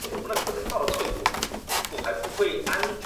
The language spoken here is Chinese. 画出来的效果就有如水彩颜料只加一点水所呈现的效果。